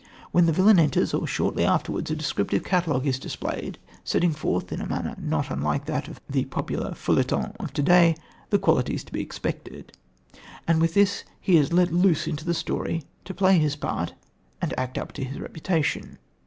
When the villain enters, or shortly afterwards, a descriptive catalogue is displayed, setting forth, in a manner not unlike that of the popular feuilleton of to day, the qualities to be expected, and with this he is let loose into the story to play his part and act up to his reputation.